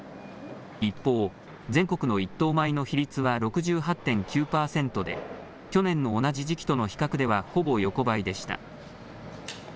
一方、全国の１等米の比率は６８．９％で、去年の同じ時期との比較では、ほぼ横ばいでした。